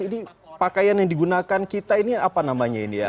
ini pakaian yang digunakan kita ini apa namanya ini ya